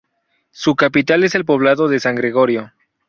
Su capital es el poblado de San Gregorio.